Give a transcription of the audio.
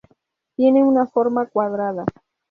Tiene una forma cuadrada.